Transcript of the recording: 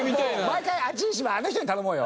毎回熱い芝居あの人に頼もうよ。